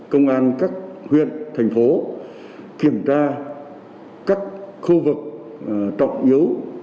công an các huyện thành phố kiểm tra các khu vực trọng yếu